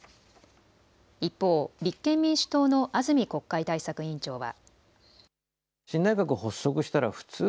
一方、立憲民主党の安住国会対策委員長は。